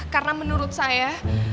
karena menurut saya